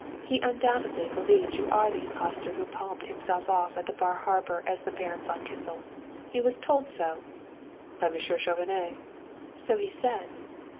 He undoubtedly believes you are the impostor who palmed himself off at Bar Harbor as the Baron von Kissel. He was told so " "By Monsieur Chauvenet." "So he said."